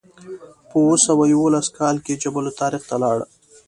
په اوه سوه یوولس کال کې جبل الطارق ته لاړ.